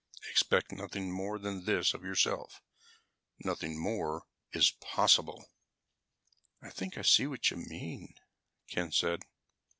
Expect nothing more than this of yourself. Nothing more is possible." "I think I see what you mean," Ken said.